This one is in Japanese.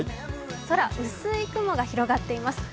空は薄い雲が広がっています。